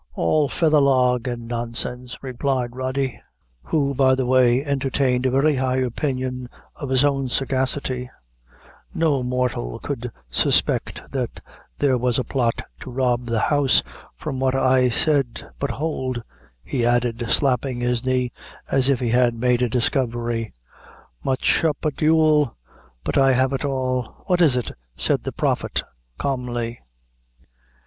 "All feathalagh an' nonsense," replied Eody, who, by the way, entertained a very high opinion of his own sagacity; "no mortal could suspect that there was a plot to rob the house from what I said; but hould," he added, slapping his knee, as if he had made a discovery, "ma chorp an' dioul, but I have it all." "What is it?" said the Prophet, calmly.